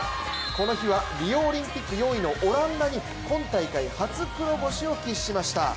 この日はリオオリンピック４位のオランダに今大会初黒星を喫しました。